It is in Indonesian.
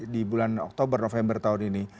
di bulan oktober november tahun ini